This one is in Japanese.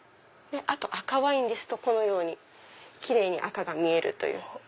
あと赤ワインですとこのようにキレイに赤が見えるという。